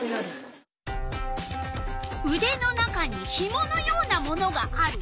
うでの中にひものようなものがある。